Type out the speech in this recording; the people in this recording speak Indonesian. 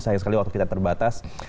sayang sekali waktu kita terbatas